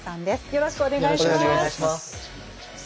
よろしくお願いします。